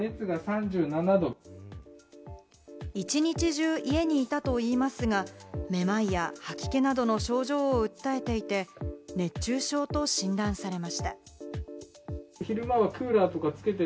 一日中、家にいたといいますが、めまいや吐き気などの症状を訴えていて、熱中症と診断されました。